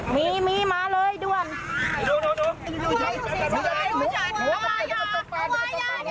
มีมีมาเลยด้วน